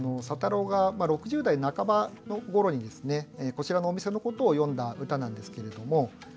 佐太郎が６０代半ばごろにですねこちらのお店のことを詠んだ歌なんですけれども。